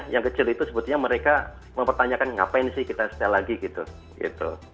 yang kecil itu sebetulnya mereka mempertanyakan ngapain sih kita setel lagi gitu